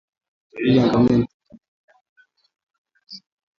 Dalili ya ndigana ni mfugo kutokwa majimaji machoni na baadaye macho kuwa na weupe